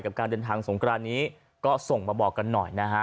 การเดินทางสงครานนี้ก็ส่งมาบอกกันหน่อยนะฮะ